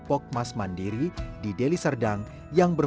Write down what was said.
inilah awal dari pembentukan kelompok humaniora